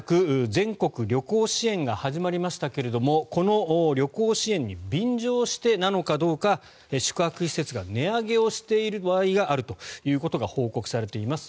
全国旅行支援が始まりましたがこの旅行支援に便乗してなのかどうか宿泊施設が値上げしている場合があるということが報告されています。